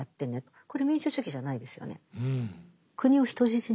これ民主主義じゃないですよね。